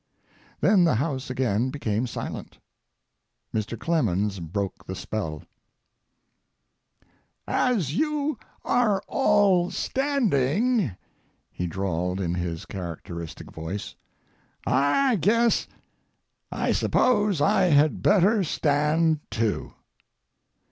Then the house again became silent. Mr. Clemens broke the spell: As you are all standing [he drawled in his characteristic voice], I guess, I suppose I had better stand too.